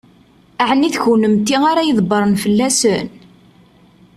Ɛni d kennemti ara ydebbṛen fell-asen?